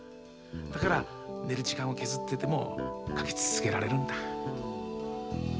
だから寝る時間を削ってでも描き続けられるんだ。